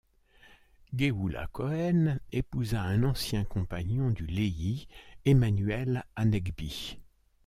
Gueoulah Cohen épousa un ancien compagnon du Lehi, Emanuel Hanegbi.